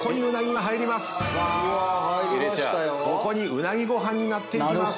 うなぎご飯になっていきます。